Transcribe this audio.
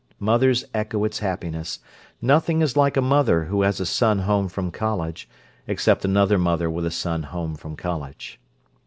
Mothers echo its happiness—nothing is like a mother who has a son home from college, except another mother with a son home from college.